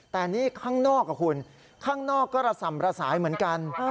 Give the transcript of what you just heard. แต่นี่ข้างนอกกับคุณข้างนอกก็ระส่ำระสายเหมือนกัน